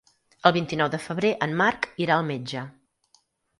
El vint-i-nou de febrer en Marc irà al metge.